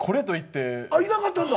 いなかったんだ？